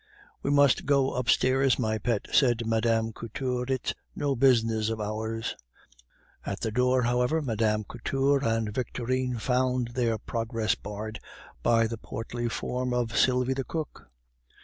"We must go upstairs, my pet," said Mme. Couture; "it is no business of ours." At the door, however, Mme. Couture and Victorine found their progress barred by the portly form of Sylvie the cook.